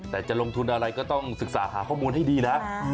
แต่จะลงทุนอะไรก็ต้องศึกษาหาข้อมูลให้ดีนะ